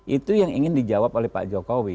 itu yang ingin dijawab oleh pak jokowi